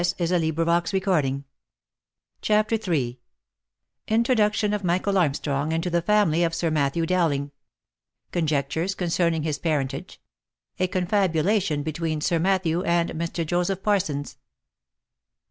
24 THE LIFE AND ADVENTURES CHAPTER III, INTRODUCTION OF MICHAEL ARMSTRONG INTO THE FAMILY OF Sill MATTHEW DOWLING CONJECTURES CONCERNING HIS PARENT AGE A CONFABULATION BETWEEN SIR MATTHEW AND MR. JOSEPH PARSONS.